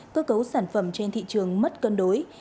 cơ cấu sản phẩm trên thị trường mất cân đối